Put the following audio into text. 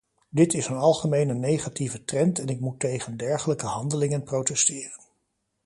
Dit is een algemene negatieve trend en ik moet tegen dergelijke handelingen protesteren.